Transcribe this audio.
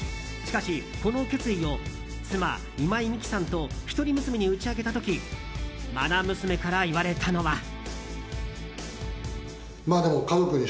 しかし、この決意を妻・今井美樹さんと一人娘に打ち明けた時まな娘から言われたのは。